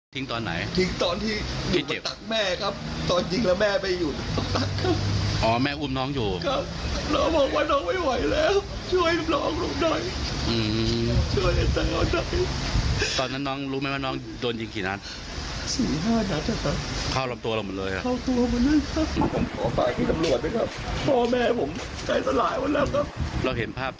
คือตอนแรกร้องผมร้องไห้แล้วพอแบบพรั่งพรั่งออกมาเสร็จปั๊บ